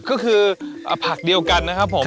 ก็คือผักเดียวกันนะครับผม